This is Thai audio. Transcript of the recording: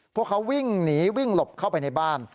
พวกเขาวิ่งหนีวิ่งหลบเข้าไปในบ้าน